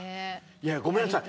いやごめんなさい。